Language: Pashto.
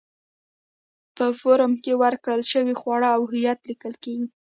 په فورمه کې ورکړل شوي خواړه او هویت لیکل کېږي.